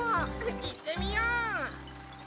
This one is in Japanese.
いってみよう！